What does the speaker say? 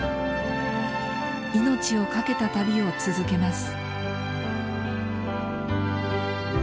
命を懸けた旅を続けます。